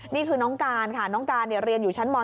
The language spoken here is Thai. นี่คือน้องการเรียนอยู่ชั้นม๓